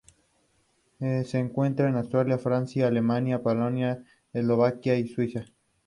Mueller y Phillips respondieron que ellos tampoco tenían conocimiento de tal "informe".